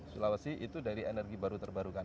sulawesi itu dari energi baru terbarukan